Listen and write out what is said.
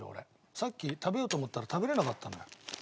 さっき食べようと思ったら食べられなかったんだよ